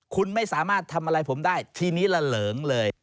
คุณไม่สามารถทำอะไรผมได้ทีนี้ระเหลิงเลย